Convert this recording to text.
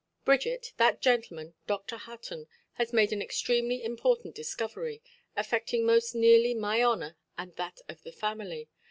"Bridget, that gentleman, Dr. Hutton, has made an extremely important discovery, affecting most nearly my honour and that of the family.